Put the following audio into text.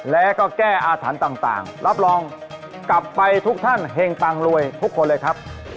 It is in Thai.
แล้วก็แก้อาถรรพ์ต่างรับรองกลับไปทุกท่านเห็งปังรวยทุกคนเลยครับ